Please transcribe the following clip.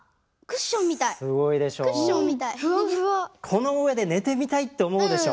この上で寝てみたいって思うでしょ？